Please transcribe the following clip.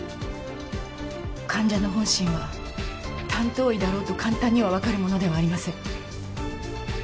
患者の本心は担当医だろうと簡単にはわかるものではありません。